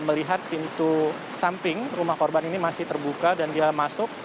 melihat pintu samping rumah korban ini masih terbuka dan dia masuk